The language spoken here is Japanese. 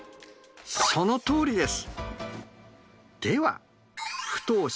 そのとおりです！